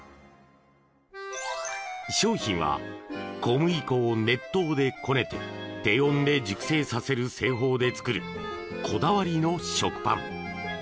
商品は、小麦粉を熱湯でこねて低温で熟成させる製法で作るこだわりの食パン。